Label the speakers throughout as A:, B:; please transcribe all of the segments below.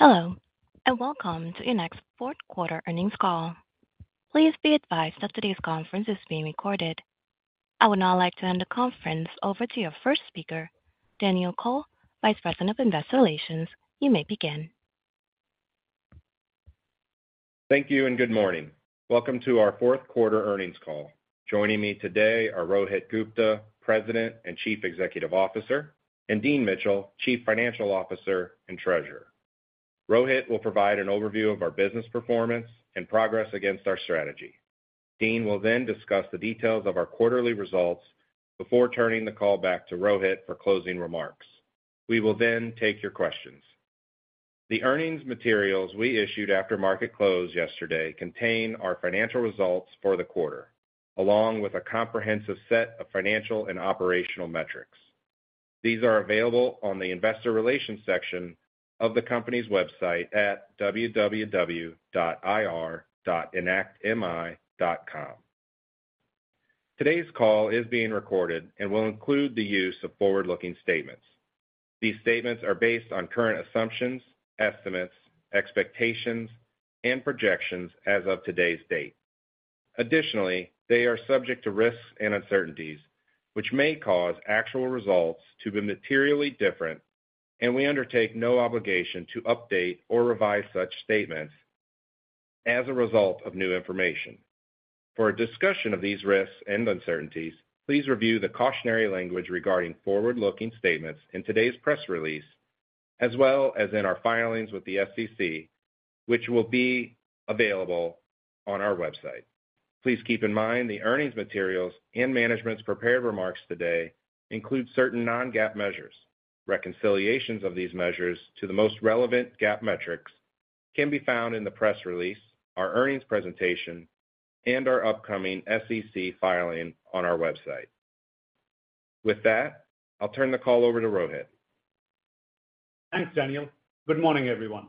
A: Hello, and welcome to Enact's Fourth Quarter Earnings Call. Please be advised that today's conference is being recorded. I would now like to hand the conference over to your first speaker, Daniel Kohl, Vice President of Investor Relations. You may begin.
B: Thank you and good morning. Welcome to our fourth quarter earnings call. Joining me today are Rohit Gupta, President and Chief Executive Officer, and Dean Mitchell, Chief Financial Officer and Treasurer. Rohit will provide an overview of our business performance and progress against our strategy. Dean will then discuss the details of our quarterly results before turning the call back to Rohit for closing remarks. We will then take your questions. The earnings materials we issued after market close yesterday contain our financial results for the quarter, along with a comprehensive set of financial and operational metrics. These are available on the Investor Relations section of the company's website at www.ir.enactmi.com. Today's call is being recorded and will include the use of forward-looking statements. These statements are based on current assumptions, estimates, expectations, and projections as of today's date. Additionally, they are subject to risks and uncertainties, which may cause actual results to be materially different, and we undertake no obligation to update or revise such statements as a result of new information. For a discussion of these risks and uncertainties, please review the cautionary language regarding forward-looking statements in today's press release, as well as in our filings with the SEC, which will be available on our website. Please keep in mind the earnings materials and management's prepared remarks today include certain non-GAAP measures. Reconciliations of these measures to the most relevant GAAP metrics can be found in the press release, our earnings presentation, and our upcoming SEC filing on our website. With that, I'll turn the call over to Rohit. Thanks, Daniel. Good morning, everyone.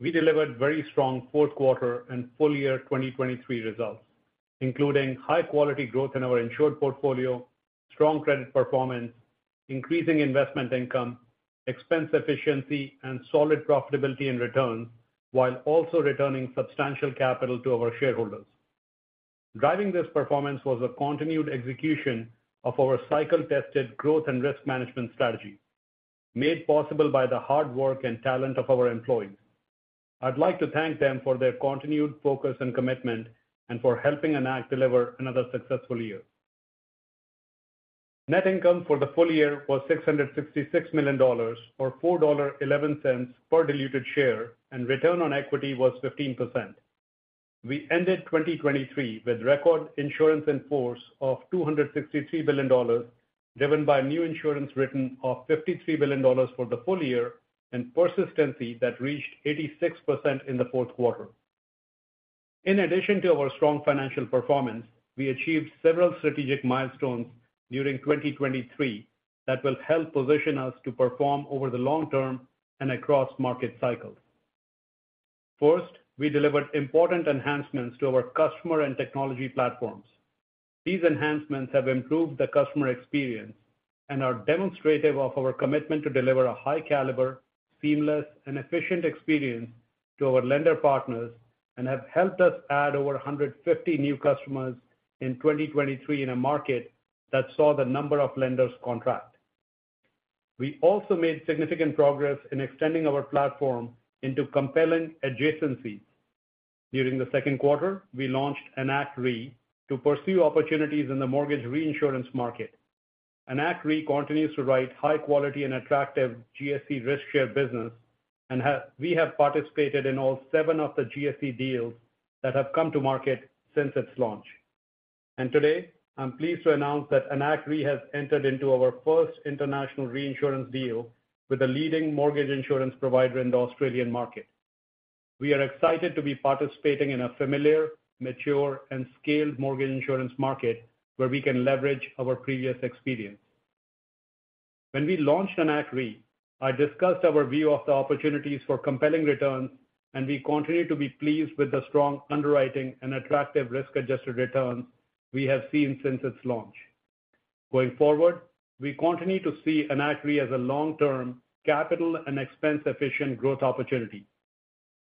B: We delivered very strong fourth quarter and full year 2023 results, including high-quality growth in our insured portfolio, strong credit performance, increasing investment income, expense efficiency, and solid profitability and return, while also returning substantial capital to our shareholders. Driving this performance was a continued execution of our cycle-tested growth and risk management strategy, made possible by the hard work and talent of our employees. I'd like to thank them for their continued focus and commitment, and for helping Enact deliver another successful year. Net income for the full year was $666 million, or $4.11 per diluted share, and return on equity was 15%. We ended 2023 with record Insurance In Force of $263 billion, driven by New Insurance Written of $53 billion for the full year, and persistency that reached 86% in the fourth quarter. In addition to our strong financial performance, we achieved several strategic milestones during 2023 that will help position us to perform over the long term and across market cycles. First, we delivered important enhancements to our customer and technology platforms. These enhancements have improved the customer experience and are demonstrative of our commitment to deliver a high caliber, seamless, and efficient experience to our lender partners, and have helped us add over 150 new customers in 2023 in a market that saw the number of lenders contract. We also made significant progress in extending our platform into compelling adjacencies. During the second quarter, we launched Enact Re to pursue opportunities in the mortgage reinsurance market. Enact Re continues to write high quality and attractive GSE risk-share business, and we have participated in all seven of the GSE deals that have come to market since its launch. Today, I'm pleased to announce that Enact Re has entered into our first international reinsurance deal with a leading mortgage insurance provider in the Australian market. We are excited to be participating in a familiar, mature, and scaled mortgage insurance market, where we can leverage our previous experience. When we launched Enact Re, I discussed our view of the opportunities for compelling returns, and we continue to be pleased with the strong underwriting and attractive risk-adjusted returns we have seen since its launch. Going forward, we continue to see Enact Re as a long-term capital and expense-efficient growth opportunity.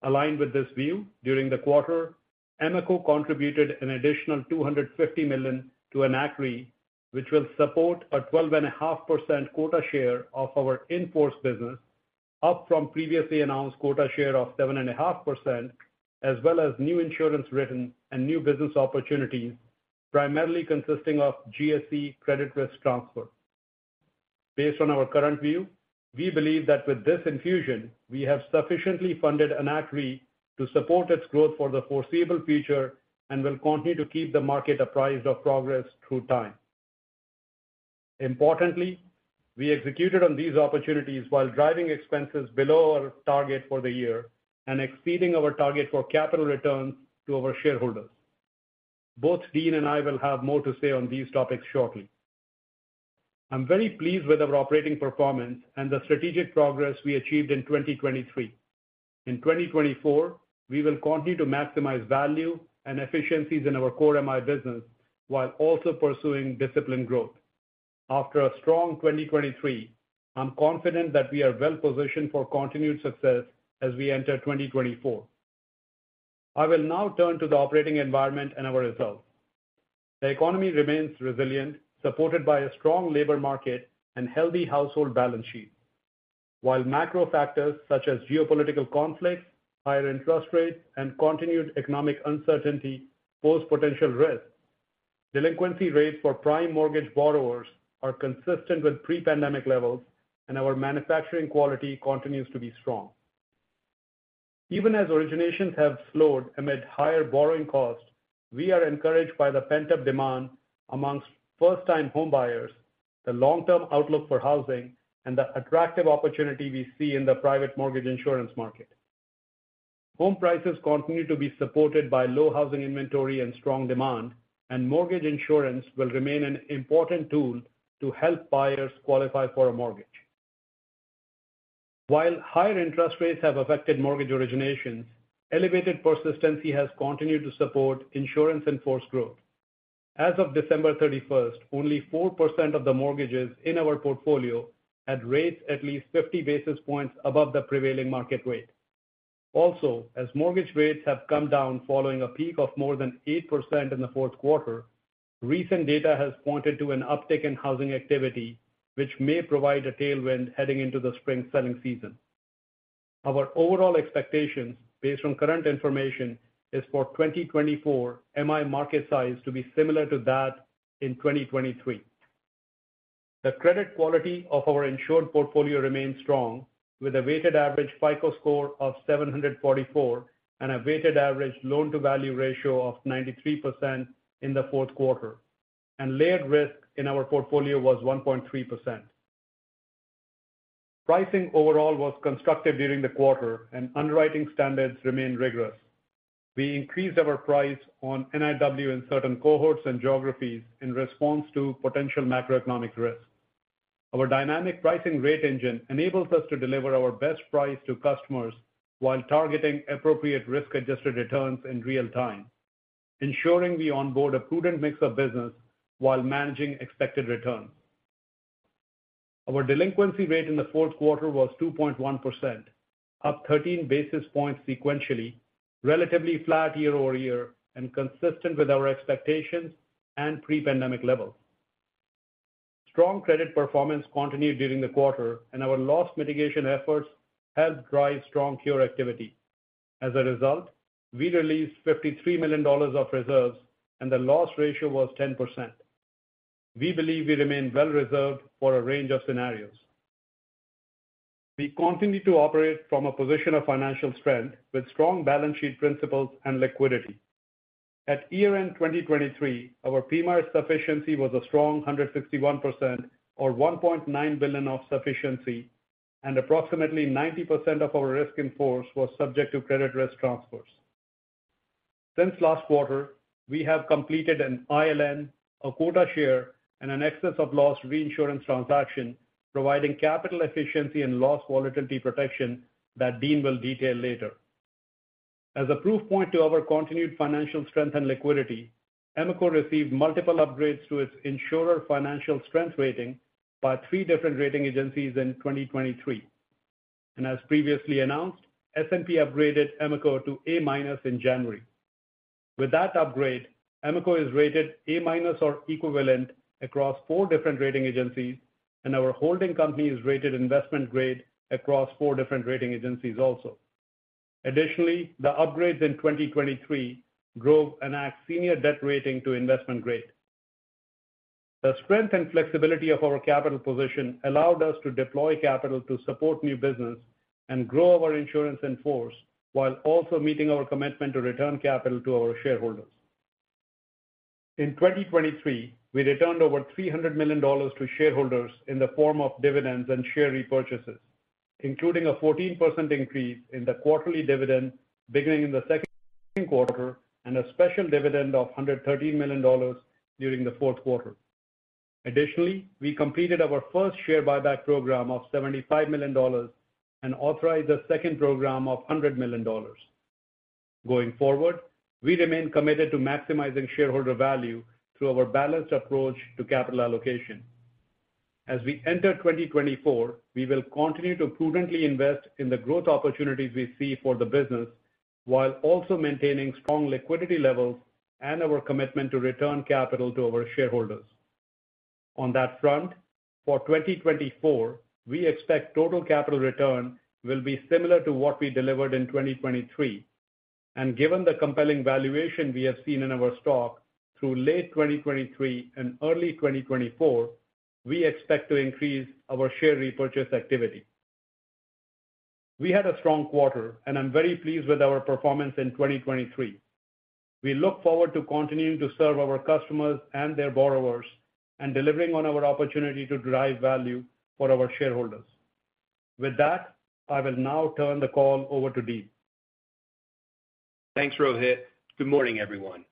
B: Aligned with this view, during the quarter, EMICO contributed an additional $250 million to Enact Re, which will support a 12.5% quota share of our in-force business, up from previously announced quota share of 7.5%, as well as New Insurance Written and new business opportunities, primarily consisting of GSE credit risk transfer. Based on our current view, we believe that with this infusion, we have sufficiently funded Enact Re to support its growth for the foreseeable future and will continue to keep the market apprised of progress through time. Importantly, we executed on these opportunities while driving expenses below our target for the year and exceeding our target for capital return to our shareholders. Both Dean and I will have more to say on these topics shortly. I'm very pleased with our operating performance and the strategic progress we achieved in 2023. In 2024, we will continue to maximize value and efficiencies in our core MI business, while also pursuing disciplined growth. After a strong 2023, I'm confident that we are well positioned for continued success as we enter 2024. I will now turn to the operating environment and our results. The economy remains resilient, supported by a strong labor market and healthy household balance sheet. While macro factors such as geopolitical conflicts, higher interest rates, and continued economic uncertainty pose potential risks, delinquency rates for prime mortgage borrowers are consistent with pre-pandemic levels, and our manufacturing quality continues to be strong. Even as originations have slowed amid higher borrowing costs, we are encouraged by the pent-up demand among first-time homebuyers, the long-term outlook for housing, and the attractive opportunity we see in the private mortgage insurance market. Home prices continue to be supported by low housing inventory and strong demand, and mortgage insurance will remain an important tool to help buyers qualify for a mortgage. While higher interest rates have affected mortgage originations, elevated persistency has continued to support Insurance In Force growth. As of December 31st, only 4% of the mortgages in our portfolio had rates at least 50 basis points above the prevailing market rate. Also, as mortgage rates have come down following a peak of more than 8% in the fourth quarter, recent data has pointed to an uptick in housing activity, which may provide a tailwind heading into the spring selling season. Our overall expectations, based on current information, is for 2024 MI market size to be similar to that in 2023. The credit quality of our insured portfolio remains strong, with a weighted average FICO score of 744 and a weighted average loan-to-value ratio of 93% in the fourth quarter, and layered risk in our portfolio was 1.3%. Pricing overall was constructive during the quarter, and underwriting standards remained rigorous. We increased our price on NIW in certain cohorts and geographies in response to potential macroeconomic risks. Our dynamic pricing rate engine enables us to deliver our best price to customers while targeting appropriate risk-adjusted returns in real time, ensuring we onboard a prudent mix of business while managing expected returns. Our delinquency rate in the fourth quarter was 2.1%, up 13 basis points sequentially, relatively flat year-over-year, and consistent with our expectations and pre-pandemic levels. Strong credit performance continued during the quarter, and our loss mitigation efforts helped drive strong cure activity. As a result, we released $53 million of reserves, and the loss ratio was 10%. We believe we remain well reserved for a range of scenarios. We continue to operate from a position of financial strength with strong balance sheet principles and liquidity. At year-end 2023, our PMIERs sufficiency was a strong 161%, or $1.9 billion of sufficiency, and approximately 90% of our risk in force was subject to credit risk transfers. Since last quarter, we have completed an ILN, a quota share, and an excess of loss reinsurance transaction, providing capital efficiency and loss volatility protection that Dean will detail later. As a proof point to our continued financial strength and liquidity, EMICO received multiple upgrades to its insurer financial strength rating by three different rating agencies in 2023. As previously announced, S&P upgraded EMICO to A- in January. With that upgrade, EMICO is rated A- or equivalent across four different rating agencies, and our holding company is rated investment grade across four different rating agencies also. Additionally, the upgrades in 2023 drove a senior debt rating to investment grade. The strength and flexibility of our capital position allowed us to deploy capital to support new business and grow our Insurance In Force, while also meeting our commitment to return capital to our shareholders. In 2023, we returned over $300 million to shareholders in the form of dividends and share repurchases, including a 14% increase in the quarterly dividend beginning in the second quarter, and a special dividend of $113 million during the fourth quarter. Additionally, we completed our first share buyback program of $75 million and authorized a second program of $100 million. Going forward, we remain committed to maximizing shareholder value through our balanced approach to capital allocation. As we enter 2024, we will continue to prudently invest in the growth opportunities we see for the business, while also maintaining strong liquidity levels and our commitment to return capital to our shareholders. On that front, for 2024, we expect total capital return will be similar to what we delivered in 2023. Given the compelling valuation we have seen in our stock through late 2023 and early 2024, we expect to increase our share repurchase activity. We had a strong quarter, and I'm very pleased with our performance in 2023. We look forward to continuing to serve our customers and their borrowers and delivering on our opportunity to drive value for our shareholders. With that, I will now turn the call over to Dean.
C: Thanks, Rohit. Good morning, everyone.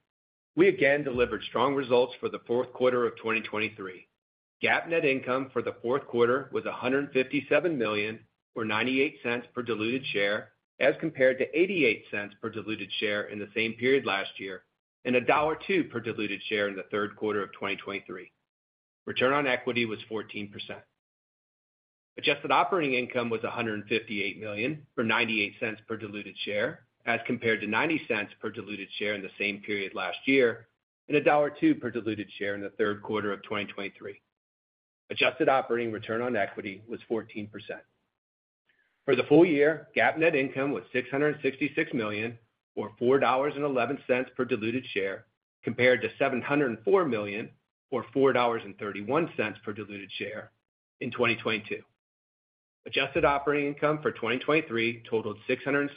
C: We again delivered strong results for the fourth quarter of 2023. GAAP net income for the fourth quarter was $157 million, or $0.98 per diluted share, as compared to $0.88 per diluted share in the same period last year, and $1.02 per diluted share in the third quarter of 2023. Return on equity was 14%. Adjusted operating income was $158 million, or $0.98 per diluted share, as compared to $0.90 per diluted share in the same period last year, and $1.02 per diluted share in the third quarter of 2023. Adjusted operating return on equity was 14%. For the full year, GAAP net income was $666 million, or $4.11 per diluted share, compared to $704 million, or $4.31 per diluted share in 2022. Adjusted operating income for 2023 totaled $676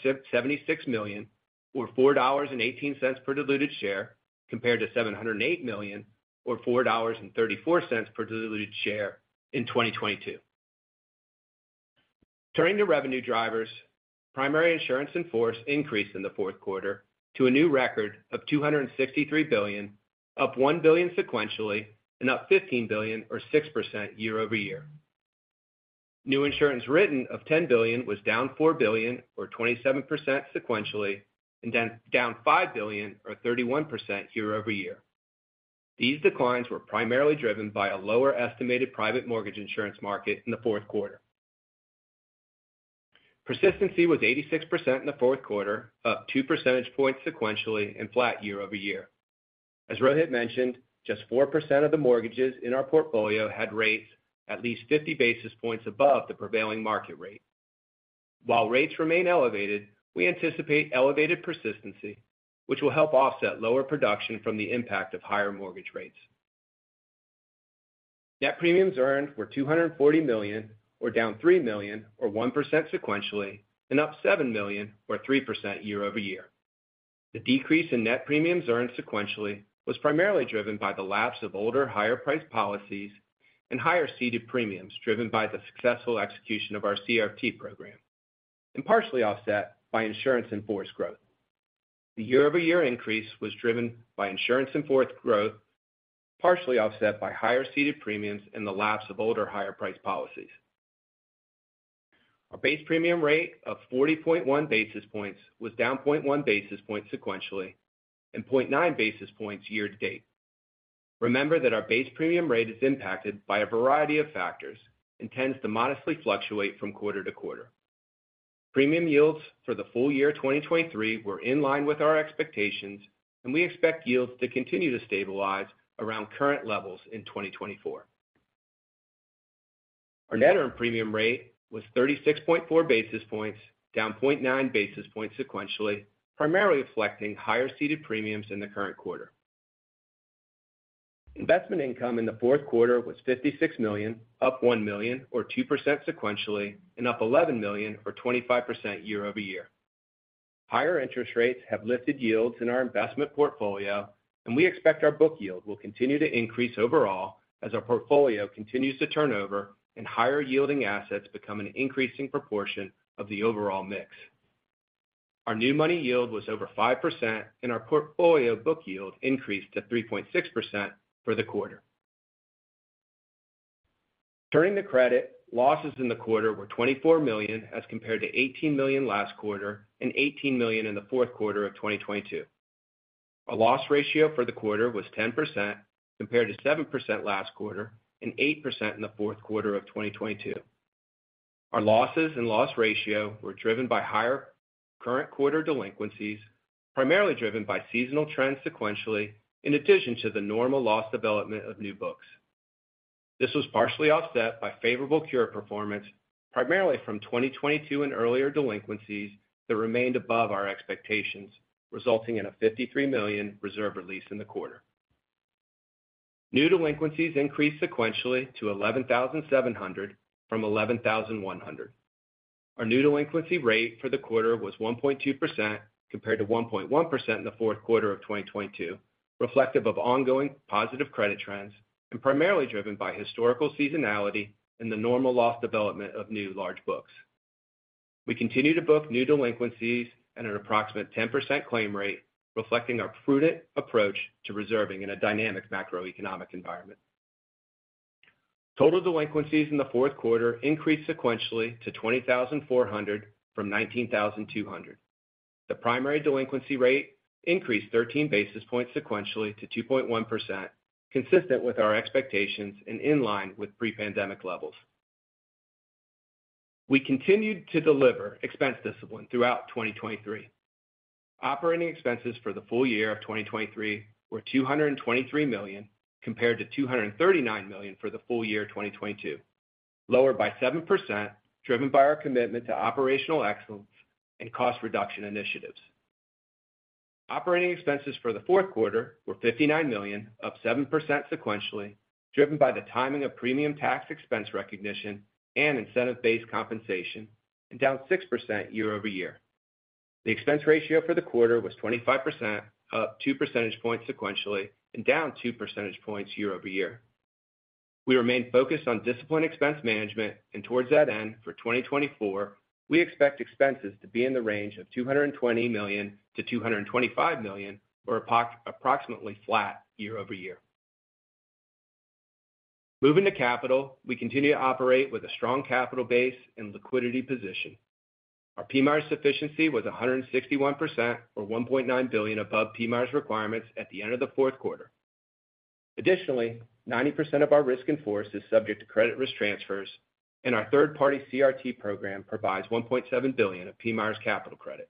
C: million, or $4.18 per diluted share, compared to $708 million or $4.34 per diluted share in 2022. Turning to revenue drivers, primary Insurance In Force increased in the fourth quarter to a new record of $263 billion, up $1 billion sequentially, and up $15 billion or 6% year-over-year. New insurance Written of $10 billion was down $4 billion, or 27% sequentially, and down $5 billion, or 31% year-over-year. These declines were primarily driven by a lower estimated private mortgage insurance market in the fourth quarter. Persistency was 86% in the fourth quarter, up two percentage points sequentially and flat year-over-year. As Rohit mentioned, just 4% of the mortgages in our portfolio had rates at least 50 basis points above the prevailing market rate. While rates remain elevated, we anticipate elevated persistency, which will help offset lower production from the impact of higher mortgage rates. Net premiums earned were $240 million, or down $3 million, or 1% sequentially, and up $7 million, or 3% year-over-year. The decrease in net premiums earned sequentially was primarily driven by the lapse of older, higher priced policies and higher ceded premiums, driven by the successful execution of our CRT program, and partially offset by Insurance In Force growth. The year-over-year increase was driven by Insurance In Force growth, partially offset by higher ceded premiums and the lapse of older, higher priced policies. Our base premium rate of 40.1 basis points was down 0.1 basis points sequentially and 0.9 basis points year-to-date. Remember that our base premium rate is impacted by a variety of factors and tends to modestly fluctuate from quarter to quarter. Premium yields for the full year 2023 were in line with our expectations, and we expect yields to continue to stabilize around current levels in 2024. Our net earned premium rate was 36.4 basis points, down 0.9 basis points sequentially, primarily reflecting higher ceded premiums in the current quarter. Investment income in the fourth quarter was $56 million, up $1 million, or 2% sequentially, and up $11 million, or 25% year-over-year. Higher interest rates have lifted yields in our investment portfolio, and we expect our book yield will continue to increase overall as our portfolio continues to turn over and higher yielding assets become an increasing proportion of the overall mix. Our new money yield was over 5%, and our portfolio book yield increased to 3.6% for the quarter. Turning to credit, losses in the quarter were $24 million, as compared to $18 million last quarter and $18 million in the fourth quarter of 2022. Our loss ratio for the quarter was 10%, compared to 7% last quarter and 8% in the fourth quarter of 2022. Our losses and loss ratio were driven by higher current quarter delinquencies, primarily driven by seasonal trends sequentially, in addition to the normal loss development of new books. This was partially offset by favorable cure performance, primarily from 2022 and earlier delinquencies that remained above our expectations, resulting in a $53 million reserve release in the quarter. New delinquencies increased sequentially to 11,700 from 11,100. Our new delinquency rate for the quarter was 1.2%, compared to 1.1% in the fourth quarter of 2022, reflective of ongoing positive credit trends and primarily driven by historical seasonality and the normal loss development of new large books. We continue to book new delinquencies at an approximate 10% claim rate, reflecting our prudent approach to reserving in a dynamic macroeconomic environment. Total delinquencies in the fourth quarter increased sequentially to 20,400 from 19,200. The primary delinquency rate increased 13 basis points sequentially to 2.1%, consistent with our expectations and in line with pre-pandemic levels. We continued to deliver expense discipline throughout 2023. Operating expenses for the full year of 2023 were $223 million, compared to $239 million for the full year 2022, lower by 7%, driven by our commitment to operational excellence and cost reduction initiatives. Operating expenses for the fourth quarter were $59 million, up 7% sequentially, driven by the timing of premium tax expense recognition and incentive-based compensation, and down 6% year-over-year. The expense ratio for the quarter was 25%, up 2 percentage points sequentially and down 2 percentage points year-over-year. We remain focused on disciplined expense management, and towards that end, for 2024, we expect expenses to be in the range of $220-$225 million, or approximately flat year-over-year. Moving to capital, we continue to operate with a strong capital base and liquidity position. Our PMIERs sufficiency was 161%, or $1.9 billion above PMIERs requirements at the end of the fourth quarter. Additionally, 90% of our risk in force is subject to credit risk transfers, and our third-party CRT program provides $1.7 billion of PMIERs capital credit.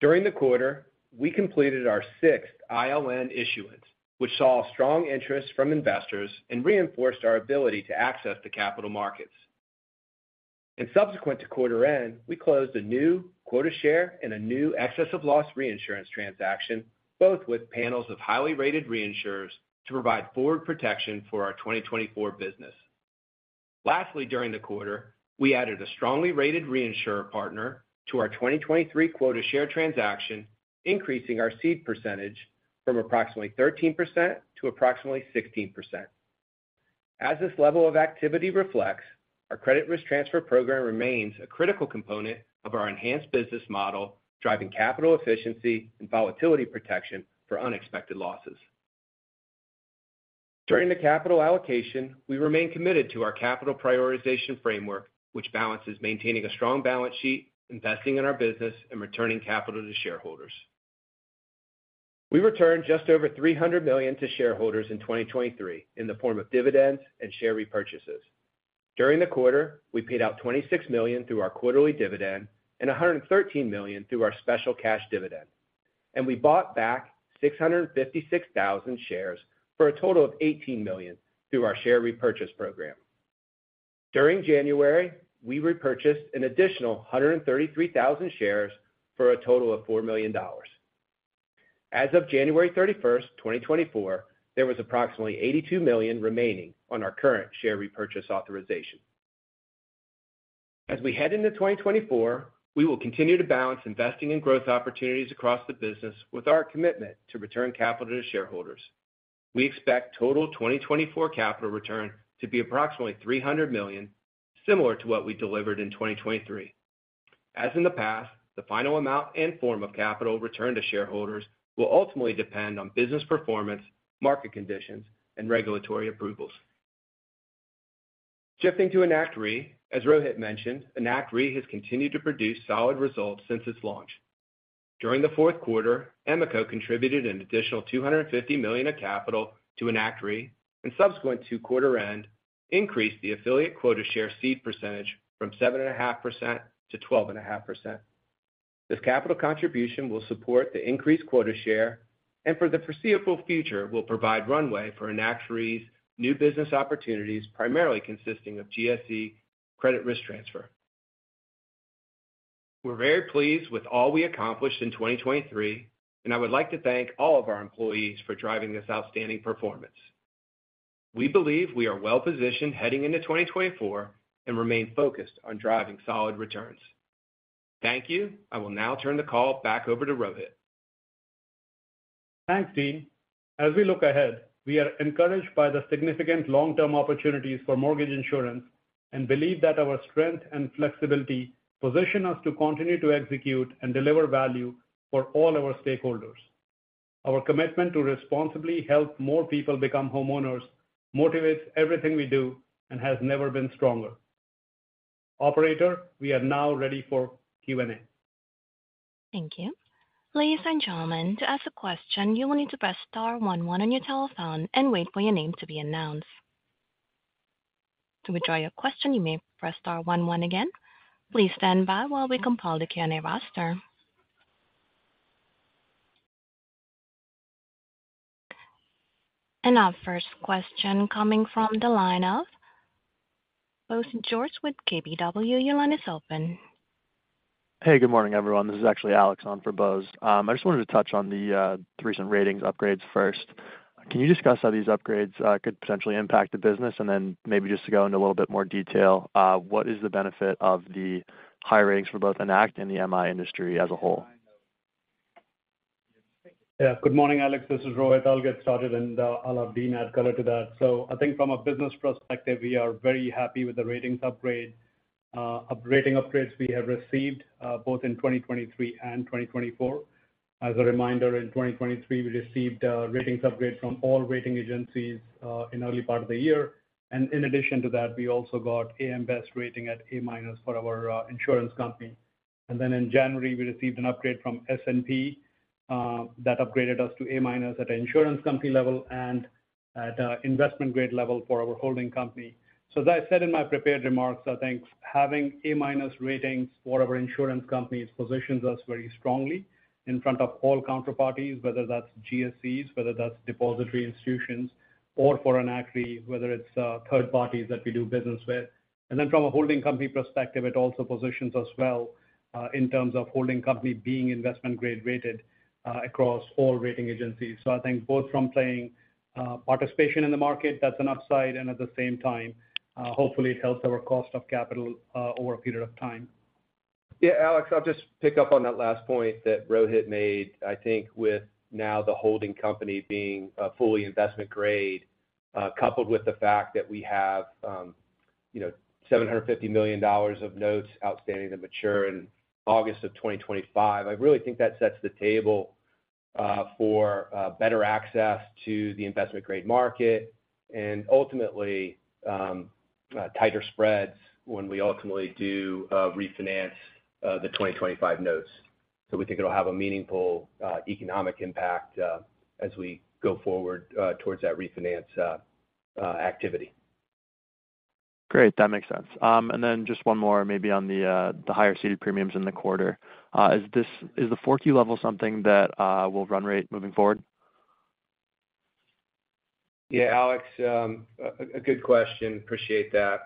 C: During the quarter, we completed our sixth ILN issuance, which saw strong interest from investors and reinforced our ability to access the capital markets. Subsequent to quarter end, we closed a new quota share and a new excess of loss reinsurance transaction, both with panels of highly rated reinsurers, to provide forward protection for our 2024 business. Lastly, during the quarter, we added a strongly rated reinsurer partner to our 2023 quota share transaction, increasing our cede percentage from approximately 13% to approximately 16%. As this level of activity reflects, our credit risk transfer program remains a critical component of our enhanced business model, driving capital efficiency and volatility protection for unexpected losses. During the capital allocation, we remain committed to our capital prioritization framework, which balances maintaining a strong balance sheet, investing in our business, and returning capital to shareholders. We returned just over $300 million to shareholders in 2023 in the form of dividends and share repurchases. During the quarter, we paid out $26 million through our quarterly dividend and $113 million through our special cash dividend, and we bought back 656,000 shares for a total of $18 million through our share repurchase program. During January, we repurchased an additional 133,000 shares for a total of $4 million. As of January 31, 2024, there was approximately $82 million remaining on our current share repurchase authorization. As we head into 2024, we will continue to balance investing in growth opportunities across the business with our commitment to return capital to shareholders. We expect total 2024 capital return to be approximately $300 million, similar to what we delivered in 2023. As in the past, the final amount and form of capital returned to shareholders will ultimately depend on business performance, market conditions, and regulatory approvals. Shifting to Enact Re, as Rohit mentioned, Enact Re has continued to produce solid results since its launch. During the fourth quarter, EMICO contributed an additional $250 million of capital to Enact Re, and subsequent to quarter end, increased the affiliate quota share cede percentage from 7.5% to 12.5%. This capital contribution will support the increased quota share and for the foreseeable future, will provide runway for Enact Re's new business opportunities, primarily consisting of GSE credit risk transfer. We're very pleased with all we accomplished in 2023, and I would like to thank all of our employees for driving this outstanding performance. We believe we are well-positioned heading into 2024 and remain focused on driving solid returns. Thank you. I will now turn the call back over to Rohit.
D: Thanks, Dean. As we look ahead, we are encouraged by the significant long-term opportunities for mortgage insurance and believe that our strength and flexibility position us to continue to execute and deliver value for all our stakeholders. Our commitment to responsibly help more people become homeowners motivates everything we do and has never been stronger. Operator, we are now ready for Q&A.
A: Thank you. Ladies and gentlemen, to ask a question, you will need to press star one one on your telephone and wait for your name to be announced. To withdraw your question, you may press star one one again. Please stand by while we compile the Q&A roster. Our first question coming from the line of Bose George with KBW. Your line is open.
E: Hey, good morning, everyone. This is actually Alex on for Bose. I just wanted to touch on the recent ratings upgrades first. Can you discuss how these upgrades could potentially impact the business? And then maybe just to go into a little bit more detail, what is the benefit of the high ratings for both Enact and the MI industry as a whole?
D: Yeah. Good morning, Alex. This is Rohit. I'll get started, and, I'll have Dean add color to that. So I think from a business perspective, we are very happy with the ratings upgrade, rating upgrades we have received, both in 2023 and 2024. As a reminder, in 2023, we received a ratings upgrade from all rating agencies, in early part of the year. And in addition to that, we also got AM Best rating at A-minus for our, insurance company. And then in January, we received an upgrade from S&P, that upgraded us to A-minus at an insurance company level and at a investment grade level for our holding company. So as I said in my prepared remarks, I think having A-minus ratings for our insurance companies positions us very strongly in front of all counterparties, whether that's GSEs, whether that's depository institutions or for Enact Re, whether it's third parties that we do business with. And then from a holding company perspective, it also positions us well, in terms of holding company being investment grade rated, across all rating agencies. So I think both from playing participation in the market, that's an upside, and at the same time, hopefully, it helps our cost of capital over a period of time.
C: Yeah, Alex, I'll just pick up on that last point that Rohit made. I think with now the holding company being fully investment grade, coupled with the fact that we have, you know, $750 million of notes outstanding to mature in August 2025. I really think that sets the table for better access to the investment-grade market and ultimately tighter spreads when we ultimately do refinance the 2025 notes. So we think it'll have a meaningful economic impact as we go forward towards that refinance activity.
E: Great, that makes sense. And then just one more maybe on the higher ceded premiums in the quarter. Is the 4Q level something that will run rate moving forward?
C: Yeah, Alex, a good question. Appreciate that.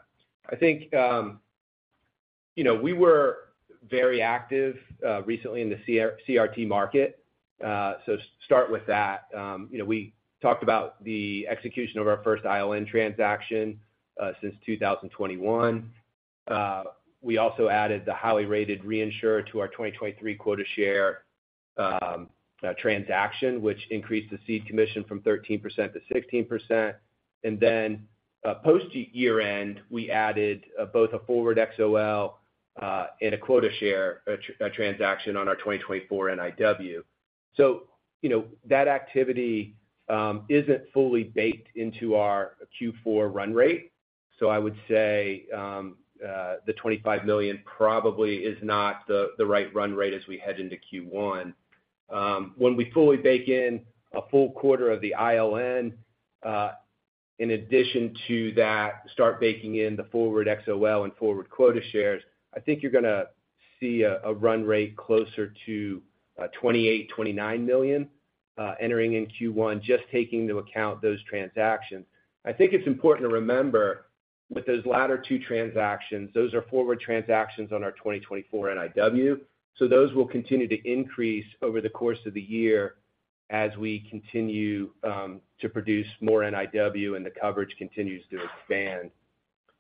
C: I think, you know, we were very active recently in the CRT market. So start with that. You know, we talked about the execution of our first ILN transaction since 2021. We also added the highly rated reinsurer to our 2023 quota share transaction, which increased the cede commission from 13% to 16%. And then, post year-end, we added both a forward XOL and a quota share transaction on our 2024 NIW. So, you know, that activity isn't fully baked into our Q4 run rate. So I would say, the $25 million probably is not the right run rate as we head into Q1. When we fully bake in a full quarter of the ILN, in addition to that, start baking in the forward XOL and forward quota shares, I think you're going to see a run rate closer to $28, $29 million entering in Q1, just taking into account those transactions. I think it's important to remember with those latter two transactions, those are forward transactions on our 2024 NIW, so those will continue to increase over the course of the year as we continue to produce more NIW and the coverage continues to expand.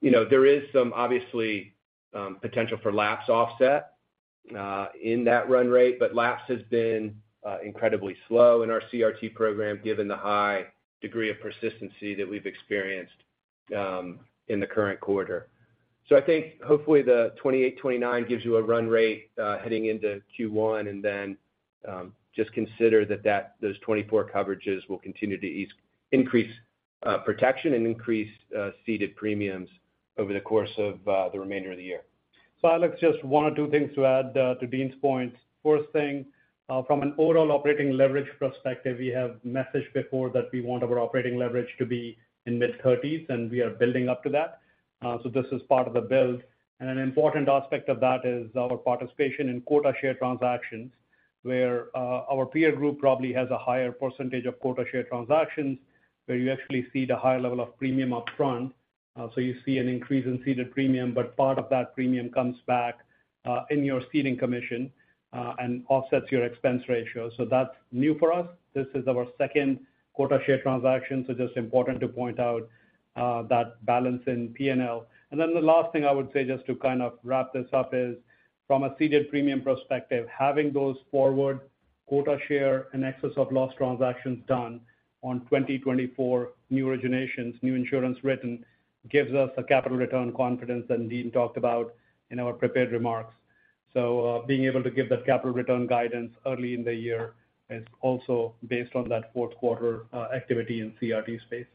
C: You know, there is some, obviously, potential for lapse offset in that run rate, but lapse has been incredibly slow in our CRT program, given the high degree of persistency that we've experienced in the current quarter. So I think hopefully, the $28, $29 million gives you a run rate heading into Q1, and then just consider that those 24 coverages will continue to ease, increase protection and increase ceded premiums over the course of the remainder of the year.
D: So Alex, just one or two things to add, to Dean's point. First thing, from an overall operating leverage perspective, we have messaged before that we want our operating leverage to be in mid-thirties, and we are building up to that. So this is part of the build. And an important aspect of that is our participation in quota share transactions, where, our peer group probably has a higher percentage of quota share transactions, where you actually see the higher level of premium upfront. So you see an increase in ceded premium, but part of that premium comes back, in your ceding commission, and offsets your expense ratio. So that's new for us. This is our second quota share transaction, so just important to point out, that balance in PNL. And then the last thing I would say, just to kind of wrap this up, is from a ceded premium perspective, having those forward quota share and excess of loss transactions done on 2024 new originations, New Insurance Written, gives us a capital return confidence that Dean talked about in our prepared remarks. So, being able to give that capital return guidance early in the year is also based on that fourth quarter activity in CRT space.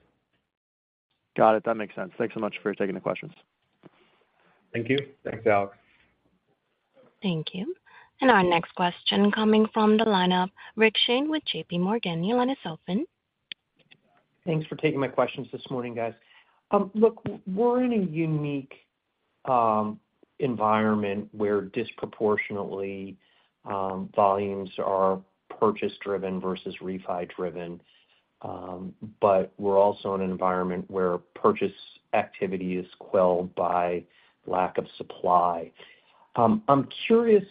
E: Got it. That makes sense. Thanks so much for taking the questions.
D: Thank you.
C: Thanks, Alex.
A: Thank you. Our next question coming from the line of Rick Shane with JP Morgan. Your line is open.
F: Thanks for taking my questions this morning, guys. Look, we're in a unique environment where disproportionately volumes are purchase driven versus refi driven. But we're also in an environment where purchase activity is quelled by lack of supply. I'm curious,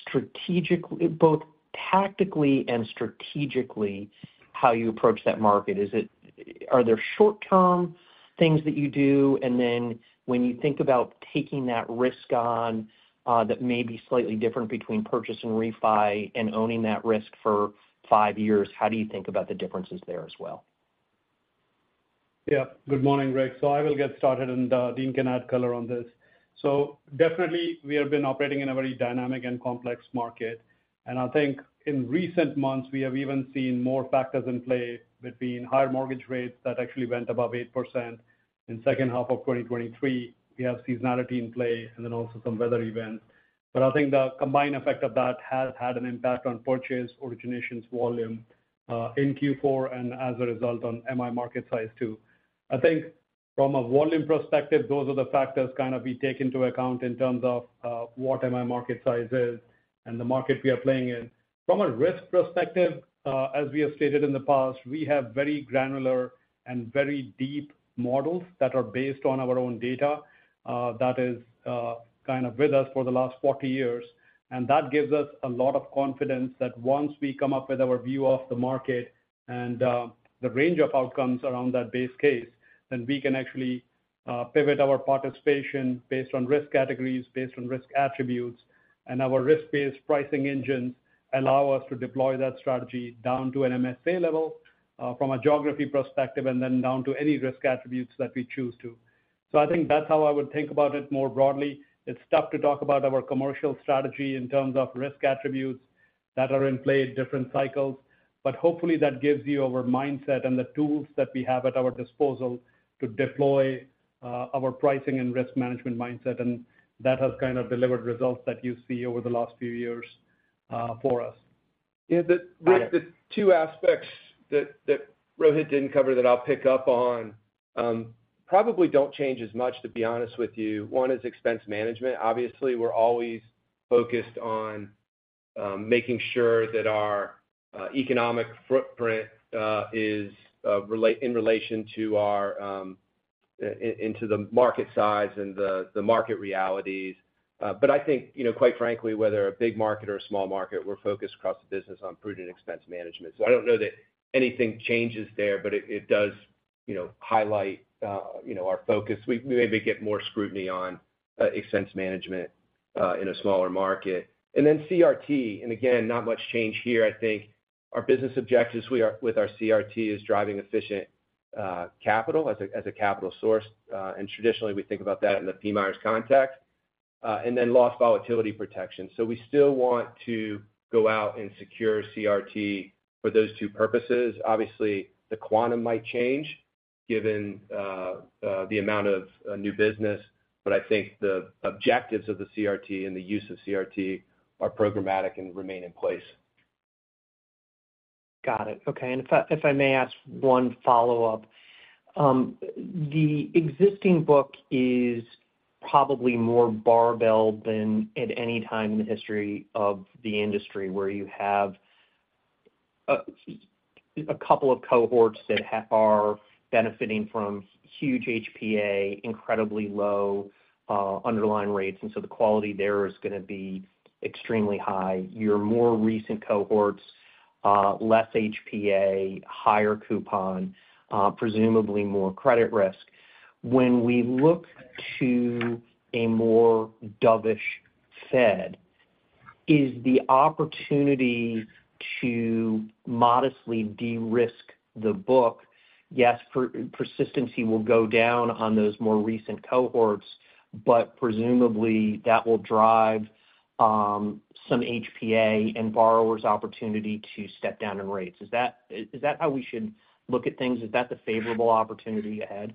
F: strategically, both tactically and strategically, how you approach that market. Are there short-term things that you do? And then when you think about taking that risk on, that may be slightly different between purchase and refi and owning that risk for five years, how do you think about the differences there as well?
D: Yeah. Good morning, Rick. So I will get started, and, Dean can add color on this. So definitely we have been operating in a very dynamic and complex market, and I think in recent months, we have even seen more factors in play between higher mortgage rates that actually went above 8% in second half of 2023. We have seasonality in play and then also some weather events. But I think the combined effect of that has had an impact on purchase, originations, volume, in Q4, and as a result, on MI market size, too. I think from a volume perspective, those are the factors kind of we take into account in terms of, what MI market size is and the market we are playing in. From a risk perspective, as we have stated in the past, we have very granular and very deep models that are based on our own data that is kind of with us for the last 40 years. And that gives us a lot of confidence that once we come up with our view of the market and the range of outcomes around that base case, then we can actually pivot our participation based on risk categories, based on risk attributes, and our risk-based pricing engine allow us to deploy that strategy down to an MSA level from a geography perspective, and then down to any risk attributes that we choose to. So I think that's how I would think about it more broadly. It's tough to talk about our commercial strategy in terms of risk attributes that are in play at different cycles, but hopefully that gives you our mindset and the tools that we have at our disposal to deploy our pricing and risk management mindset, and that has kind of delivered results that you see over the last few years for us.
C: Yeah, the two aspects that Rohit didn't cover that I'll pick up on probably don't change as much, to be honest with you. One is expense management. Obviously, we're always focused on making sure that our economic footprint is in relation to our into the market size and the market realities. But I think, you know, quite frankly, whether a big market or a small market, we're focused across the business on prudent expense management. So I don't know that anything changes there, but it does, you know, highlight, you know, our focus. We maybe get more scrutiny on expense management in a smaller market. And then CRT, and again, not much change here. I think our business objectives we are with our CRT is driving efficient capital as a capital source, and traditionally we think about that in the PMIERs context, and then loss volatility protection. So we still want to go out and secure CRT for those two purposes. Obviously, the quantum might change given the amount of new business, but I think the objectives of the CRT and the use of CRT are programmatic and remain in place.
F: Got it. Okay, and if I, if I may ask one follow-up. The existing book is probably more barbelled than at any time in the history of the industry, where you have a couple of cohorts that are benefiting from huge HPA, incredibly low underlying rates, and so the quality there is gonna be extremely high. Your more recent cohorts, less HPA, higher coupon, presumably more credit risk. When we look to a more dovish Fed, is the opportunity to modestly de-risk the book? Yes, persistency will go down on those more recent cohorts, but presumably, that will drive some HPA and borrowers' opportunity to step down in rates. Is that, is that how we should look at things? Is that the favorable opportunity ahead?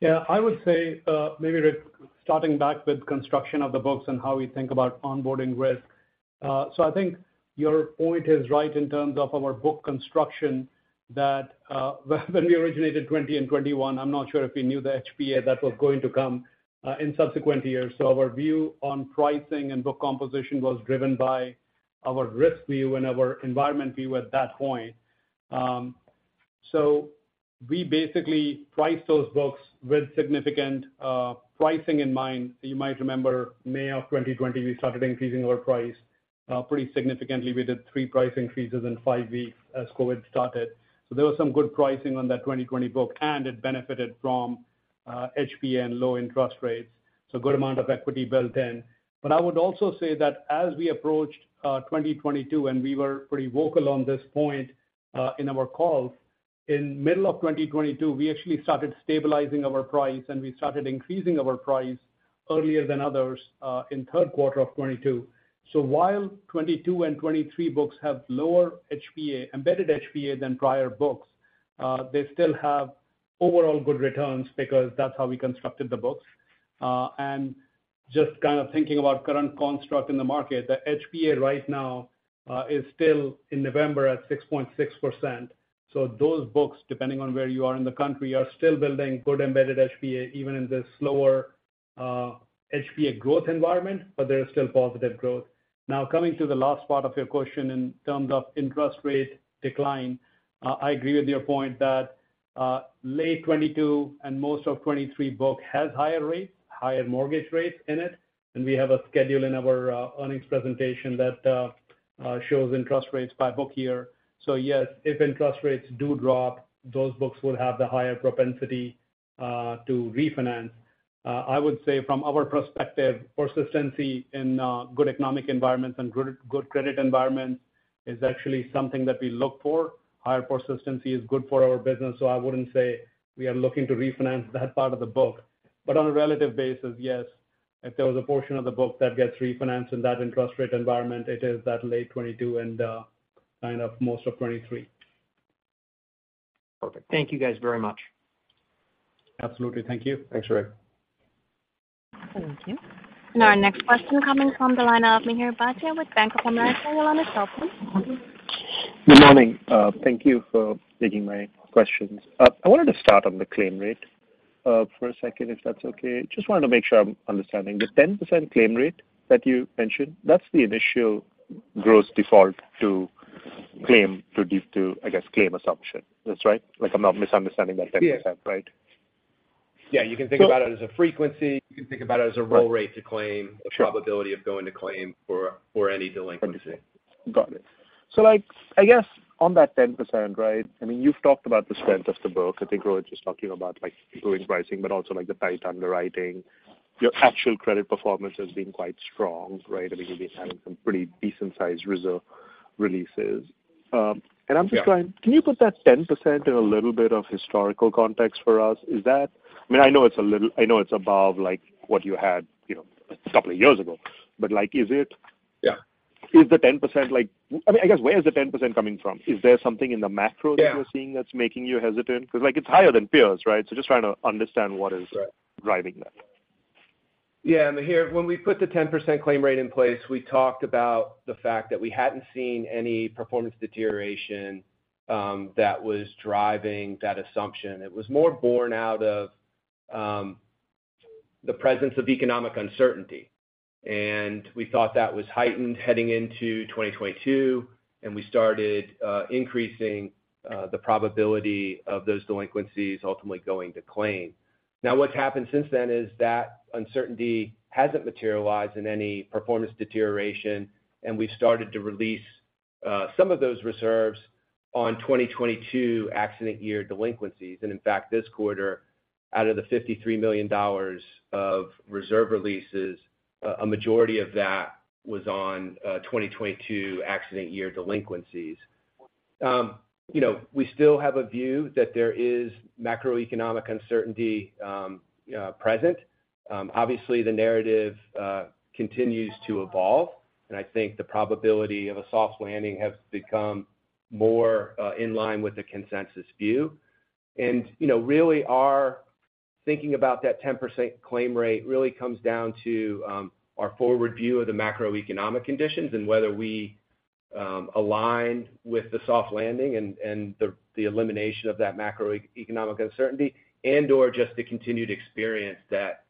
D: Yeah, I would say, maybe, Rick, starting back with construction of the books and how we think about onboarding risk. So I think your point is right in terms of our book construction, that, when we originated 2020 and 2021, I'm not sure if we knew the HPA that was going to come, in subsequent years. So our view on pricing and book composition was driven by our risk view and our environment view at that point. So we basically priced those books with significant, pricing in mind. You might remember May of 2020, we started increasing our price, pretty significantly. We did three price increases in five weeks as COVID started. So there was some good pricing on that 2020 book, and it benefited from, HPA and low interest rates, so good amount of equity built in. But I would also say that as we approached 2022, and we were pretty vocal on this point, in our calls, in middle of 2022, we actually started stabilizing our price, and we started increasing our price earlier than others, in third quarter of 2022. So while 2022 and 2023 books have lower HPA, embedded HPA than prior books, they still have overall good returns because that's how we constructed the books. And just kind of thinking about current construct in the market, the HPA right now is still in November at 6.6%. So those books, depending on where you are in the country, are still building good embedded HPA, even in this slower HPA growth environment, but there is still positive growth. Now, coming to the last part of your question in terms of interest rate decline, I agree with your point that, late 2022 and most of 2023 book has higher rates, higher mortgage rates in it, and we have a schedule in our, earnings presentation that, shows interest rates by book year. So yes, if interest rates do drop, those books will have the higher propensity, to refinance. I would say from our perspective, persistency in, good economic environments and good, good credit environments is actually something that we look for. Higher persistency is good for our business, so I wouldn't say we are looking to refinance that part of the book. On a relative basis, yes, if there was a portion of the book that gets refinanced in that interest rate environment, it is that late 2022 and kind of most of 2023.
F: Perfect. Thank you, guys, very much.
D: Absolutely. Thank you.
C: Thanks, Rick.
A: Thank you. Our next question coming from the line of Mihir Bhatia with Bank of America. Your line is open.
G: Good morning. Thank you for taking my questions. I wanted to start on the claim rate for a second, if that's okay. Just wanted to make sure I'm understanding. The 10% claim rate that you mentioned, that's the initial gross default to claim, to, I guess, claim assumption. That's right? Like, I'm not misunderstanding that 10%, right?
C: Yeah. You can think about it as a frequency. You can think about it as a roll rate to claim-
G: Sure.
C: The probability of going to claim for, for any delinquency.
G: Got it. So like, I guess on that 10%, right? I mean, you've talked about the strength of the book. I think Rohit was just talking about, like, growing pricing, but also like the tight underwriting. Your actual credit performance has been quite strong, right? I mean, you've been having some pretty decent-sized reserve releases. And I'm just trying, can you put that 10% in a little bit of historical context for us? Is that? I mean, I know it's a little? I know it's above like, what you had, you know, a couple of years ago, but like, is it?
C: Yeah.
G: Is the 10% like... I mean, I guess, where is the 10% coming from? Is there something in the macro-
C: Yeah
G: that you're seeing that's making you hesitant? Because, like, it's higher than peers, right? So just trying to understand what is-
C: Right.
G: -driving that.
C: Yeah, Mihir, when we put the 10% claim rate in place, we talked about the fact that we hadn't seen any performance deterioration that was driving that assumption. It was more born out of the presence of economic uncertainty, and we thought that was heightened heading into 2022, and we started increasing the probability of those delinquencies ultimately going to claim. Now, what's happened since then is that uncertainty hasn't materialized in any performance deterioration, and we've started to release some of those reserves on 2022 accident year delinquencies. And in fact, this quarter, out of the $53 million of reserve releases, a majority of that was on 2022 accident year delinquencies. You know, we still have a view that there is macroeconomic uncertainty present. Obviously, the narrative continues to evolve, and I think the probability of a soft landing has become more in line with the consensus view. And, you know, really, our thinking about that 10% claim rate really comes down to our forward view of the macroeconomic conditions and whether we align with the soft landing and the elimination of that macroeconomic uncertainty and/or just the continued experience that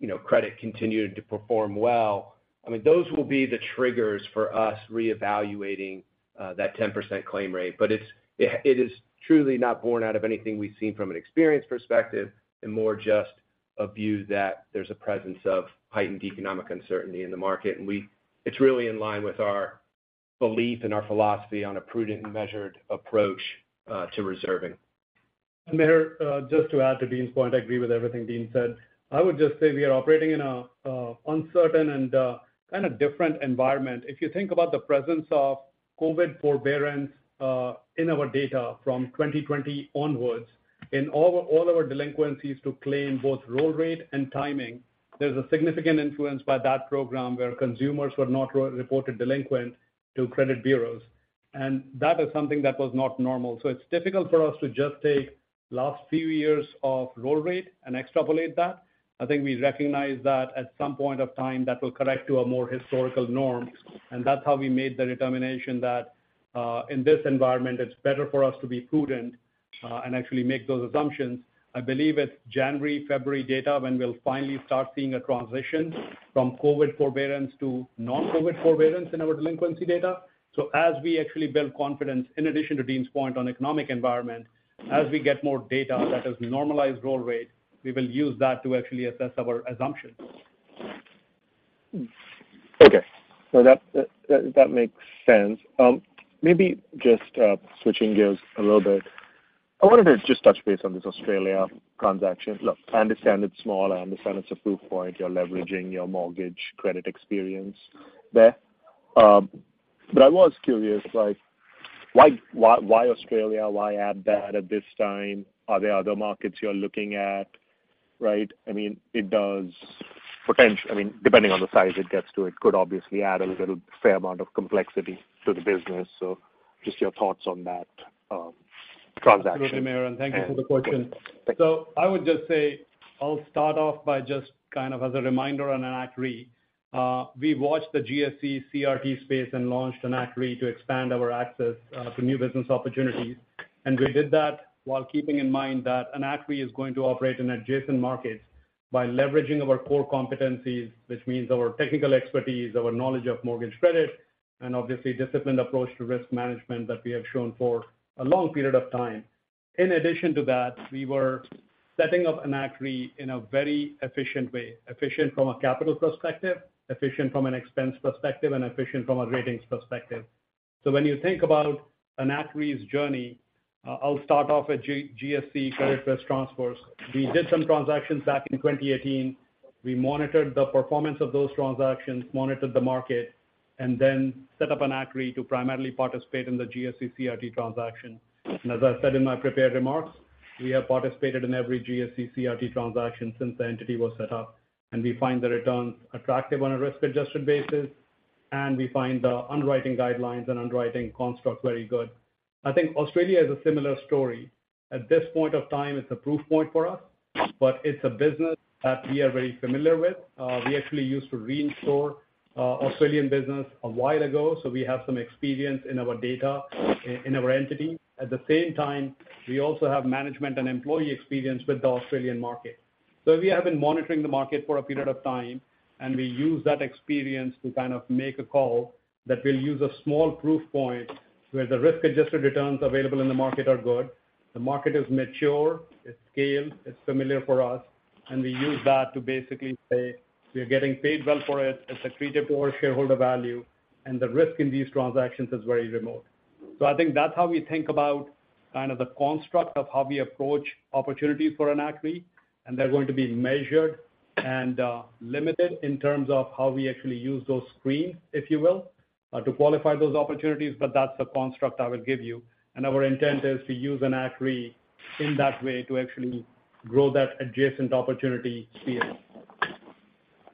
C: you know, credit continued to perform well. I mean, those will be the triggers for us reevaluating that 10% claim rate. But it is truly not born out of anything we've seen from an experience perspective, and more just a view that there's a presence of heightened economic uncertainty in the market. It's really in line with our belief and our philosophy on a prudent and measured approach to reserving.
D: Mihir, just to add to Dean's point, I agree with everything Dean said. I would just say we are operating in a uncertain and kind of different environment. If you think about the presence of COVID forbearance in our data from 2020 onwards, in all, all our delinquencies to claim both roll rate and timing, there's a significant influence by that program where consumers were not re-reported delinquent to credit bureaus, and that is something that was not normal. So it's difficult for us to just take last few years of roll rate and extrapolate that. I think we recognize that at some point of time, that will correct to a more historical norm, and that's how we made the determination that in this environment, it's better for us to be prudent and actually make those assumptions. I believe it's January, February data when we'll finally start seeing a transition from COVID forbearance to non-COVID forbearance in our delinquency data. So as we actually build confidence, in addition to Dean's point on economic environment, as we get more data that is normalized roll rate, we will use that to actually assess our assumptions.
G: Okay. So that makes sense. Maybe just switching gears a little bit. I wanted to just touch base on this Australia transaction. Look, I understand it's small. I understand it's a proof point. You're leveraging your mortgage credit experience there. But I was curious, like, why, why, why Australia? Why add that at this time? Are there other markets you're looking at, right? I mean, depending on the size it gets to, it could obviously add a little fair amount of complexity to the business. So just your thoughts on that transaction.
D: Sure, Mihir, and thank you for the question.
G: Thank you.
D: So I would just say, I'll start off by just kind of as a reminder on Enact Re. We've watched the GSE CRT space and launched Enact Re to expand our access to new business opportunities. And we did that while keeping in mind that Enact Re is going to operate in adjacent markets by leveraging our core competencies, which means our technical expertise, our knowledge of mortgage credit, and obviously, disciplined approach to risk management that we have shown for a long period of time. In addition to that, we were setting up Enact Re in a very efficient way, efficient from a capital perspective, efficient from an expense perspective, and efficient from a ratings perspective. So when you think about Enact Re's journey, I'll start off with GSE credit risk transfers. We did some transactions back in 2018. We monitored the performance of those transactions, monitored the market, and then set up Enact Re to primarily participate in the GSE CRT transaction. And as I said in my prepared remarks, we have participated in every GSE CRT transaction since the entity was set up, and we find the returns attractive on a risk-adjusted basis, and we find the underwriting guidelines and underwriting construct very good. I think Australia is a similar story. At this point of time, it's a proof point for us, but it's a business that we are very familiar with. We actually used to reinsure Australian business a while ago, so we have some experience in our data, in our entity. At the same time, we also have management and employee experience with the Australian market. So we have been monitoring the market for a period of time, and we use that experience to kind of make a call that will use a small proof point, where the risk-adjusted returns available in the market are good. The market is mature, it's scaled, it's familiar for us, and we use that to basically say we're getting paid well for it, it's accretive to our shareholder value, and the risk in these transactions is very remote.... So I think that's how we think about kind of the construct of how we approach opportunities for Enact Re, and they're going to be measured and limited in terms of how we actually use those screens, if you will, to qualify those opportunities. But that's the construct I will give you. And our intent is to use Enact Re in that way to actually grow that adjacent opportunity sphere.